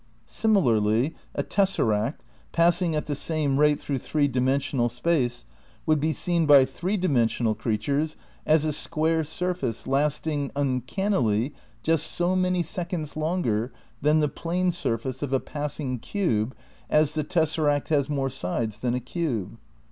Similarly, a tessaract, passing at the same rate through three dimensional space, would be seen by three dimensional creatures as a square surface last ing, uncannily, just so many seconds longer than the plane surface of a passing cube as the tessaract has more sides than a cube.